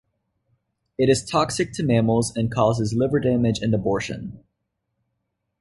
It is toxic to mammals and causes liver damage and abortion.